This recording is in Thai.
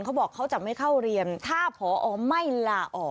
เขาบอกเขาจะไม่เข้าเรียนถ้าผอไม่ลาออก